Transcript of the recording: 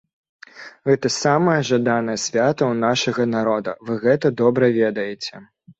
Гэта самае жаданае свята ў нашага народа, вы гэта добра ведаеце.